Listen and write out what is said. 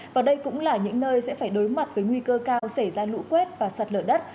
và đây cũng là những nơi sẽ phải đối mặt với nguy cơ cao xảy ra lũ quét và sạt lở đất